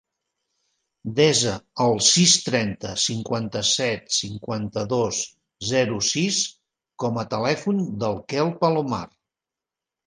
Desa el sis, trenta, cinquanta-set, cinquanta-dos, zero, sis com a telèfon del Quel Palomar.